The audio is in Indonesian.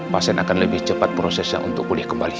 pasien akan lebih cepat prosesnya untuk pulih kembali